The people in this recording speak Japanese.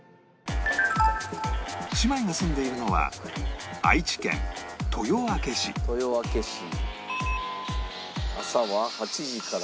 姉妹が住んでいるのは朝は８時から。